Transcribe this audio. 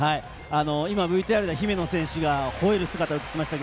今、ＶＴＲで姫野選手がほえる姿が映っていました。